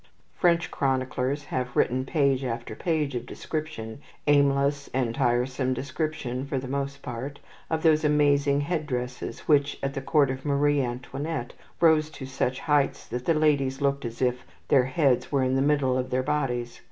French chroniclers have written page after page of description aimless and tiresome description, for the most part of those amazing head dresses which, at the court of Marie Antoinette, rose to such heights that the ladies looked as if their heads were in the middle of their bodies.